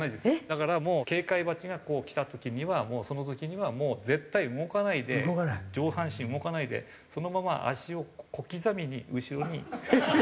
だからもう警戒蜂が来た時にはもうその時には絶対動かないで上半身動かないでそのまま足を小刻みに後ろに。